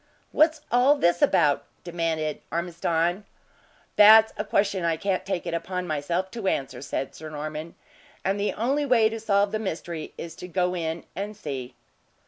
"What's all this about?" demanded Ormiston. "That's a question I can't take it upon myself to answer," said Sir Norman; "and the only way to solve the mystery, is to go in and see."